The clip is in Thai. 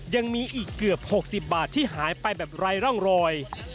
ยังมีอีกเกือบ๖๐บาทที่หายไปแบบไร้ร่องรอย